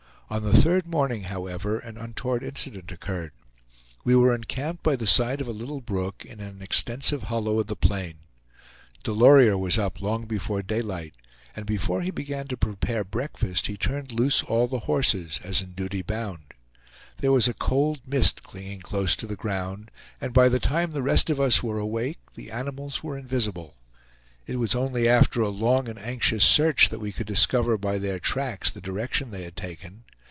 On the third morning, however, an untoward incident occurred. We were encamped by the side of a little brook in an extensive hollow of the plain. Delorier was up long before daylight, and before he began to prepare breakfast he turned loose all the horses, as in duty bound. There was a cold mist clinging close to the ground, and by the time the rest of us were awake the animals were invisible. It was only after a long and anxious search that we could discover by their tracks the direction they had taken.